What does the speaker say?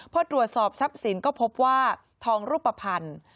พอตรวจสอบทรัพย์สินก็พบว่าทองรูปภัณฑ์